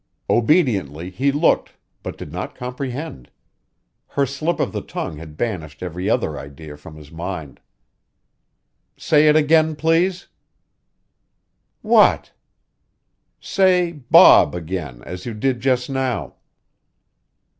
Obediently he looked but did not comprehend. Her slip of the tongue had banished every other idea from his mind. "Say it again, please." "What?" "Say Bob again as you did just now."